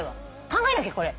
考えなきゃこれ。